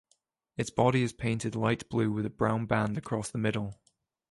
Its body is painted light blue with a brown band across the middle.